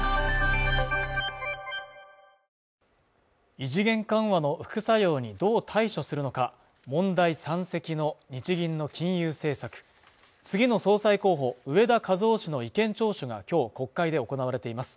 異次元緩和の副作用にどう対処するのか、問題山積の日銀の金融政策次の総裁候補植田和男氏の意見聴取が今日国会で行われています。